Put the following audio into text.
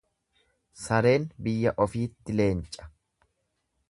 Sareen biyya ofiitti Leenca.